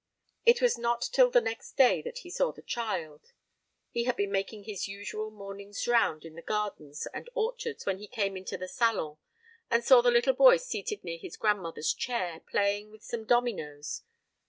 It was not till the next day that he saw the child. He had been making his usual morning's round in the gardens and orchards, when he came into the salon, and saw the little boy seated near his grandmother's chair, playing with some dominoes.